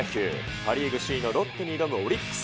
パ・リーグ首位のロッテに挑むオリックス。